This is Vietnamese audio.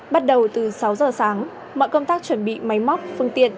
bắt đầu từ sáu giờ sáng mọi công tác chuẩn bị máy móc phương tiện